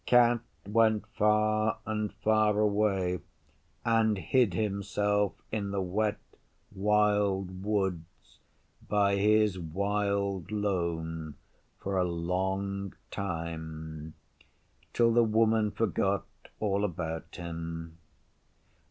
Cat went far and far away and hid himself in the Wet Wild Woods by his wild lone for a long time till the Woman forgot all about him.